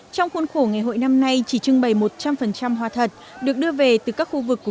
trong khuôn khổ ngày hội năm nay chỉ trưng bày một trăm linh hoa thật được đưa về từ các khu vực